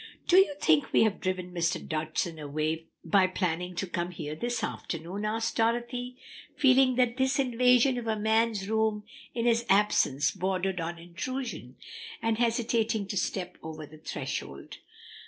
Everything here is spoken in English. "Do you think we have driven Mr. Dodgson away by planning to come here this afternoon?" asked Dorothy, feeling that this invasion of a man's room in his absence bordered on intrusion, and hesitating to step over the threshold.